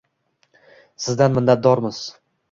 Sizdan minnatdormiz!